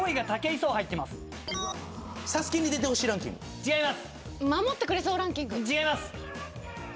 違います。